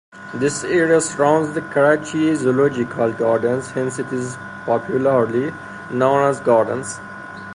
This area surrounds the Karachi Zoological Gardens hence it is popularly known as Gardens.